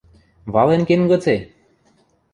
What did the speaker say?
– Вален кен гыце?